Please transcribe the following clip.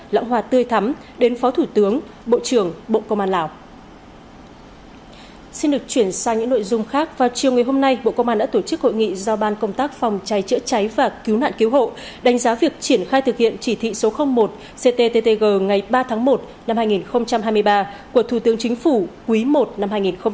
tại buổi tiếp thứ trưởng nguyễn duy ngọc đã thông tin tới phó thủ tướng bộ trưởng bộ công an việt nam với thứ trưởng kham kinh phùi lam man y vong